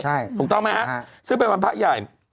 ใช่ถูกต้องไหมฮะซึ่งเป็นวันพระใหญ่